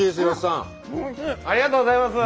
ありがとうございます！